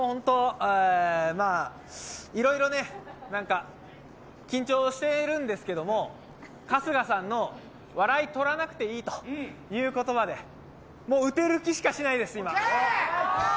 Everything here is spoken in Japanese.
まあいろいろ緊張しているんですけれども、春日さんの笑いとらなくていいという言葉でもう打てる気しかしないです、今。